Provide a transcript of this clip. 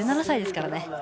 １７歳ですからね。